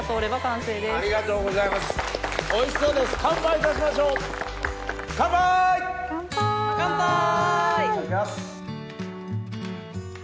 いただきます。